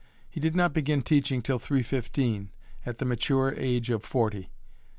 He did not begin teaching till 315, at the mature age of forty.